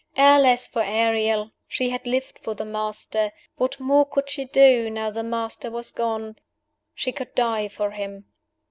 Alas for Ariel! She had lived for the Master what more could she do, now the Master was gone? She could die for him.